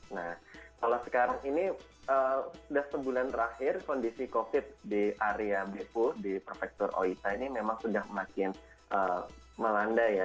nah kalau sekarang ini sudah sebulan terakhir kondisi covid di area bepo di prefektur oita ini memang sudah makin melanda ya